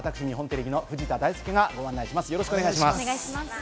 月曜と火曜は私、日本テレビの藤田大介がご案内します。